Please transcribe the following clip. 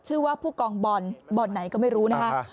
ชื่อว่าผู้กองบอนบอนไหนก็ไม่รู้นะครับ